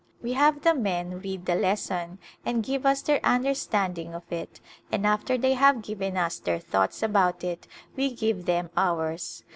We have the men read the lesson and give us their understanding of it and after they have given us their thoughts about it we give them ours.